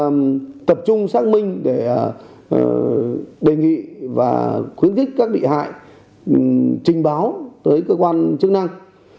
chúng tôi tập trung xác minh để đề nghị và khuyến khích các bị hại trình báo tới cơ quan chức năng